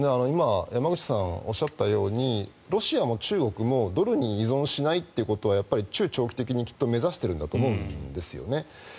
今、山口さんがおっしゃったようにロシアも中国もドルに依存しないということは中長期的にきっと目指しているんだと思うんですよね。